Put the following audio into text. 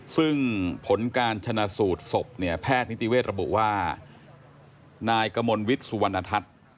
ซึ่งผลการชนะสูดสบแพทย์นิติเวทย์ระบุว่านายกะมนต์วิทย์สุวรรณทัศน์